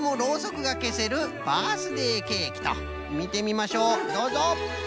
みてみましょうどうぞ。